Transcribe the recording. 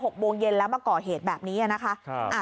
๖โมงเย็นแล้วมาก่อเหตุแบบนี้นะคะ